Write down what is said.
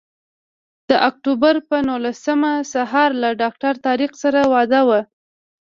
د اکتوبر پر نولسمه سهار له ډاکټر طارق سره وعده وه.